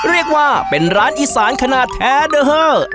เรียกว่าเป็นร้านอีสานขนาดแท้เด้อ